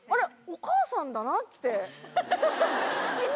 お母さんだった。